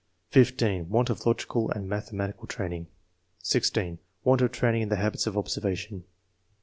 (15) "Want of logical and mathematical training." (16) "Want of training in the habits of observation."